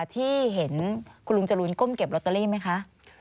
ที่เห็นคุณลุงจรูนก้มเก็บลอตเตอรี่ไหมคะ